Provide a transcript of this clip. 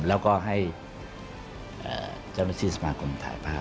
แล้วก็ให้เจ้าหน้าที่สมาคมถ่ายภาพ